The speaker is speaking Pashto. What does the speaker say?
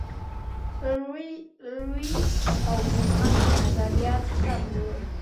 لویس او پوهانو نظریات سم وو.